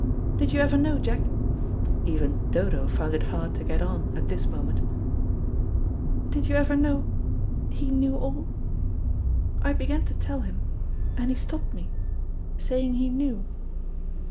Did you ever know, Jack " even Dodo found it hard to get on at this moment "did you ever know he knew all? I began to tell him, and he stopped me, saying he knew."